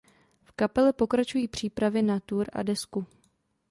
V kapele pokračují přípravy na Tour a desku.